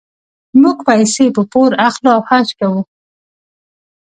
موږ پیسې په پور اخلو او حج کوو.